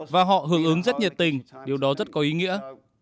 và họ hưởng ứng rất nhiệt tình điều đó rất có ý nghĩa